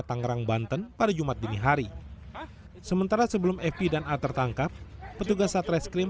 tangerang banten pada jumat dinihari sementara sebelum epi dan a tertangkap petugas atres krim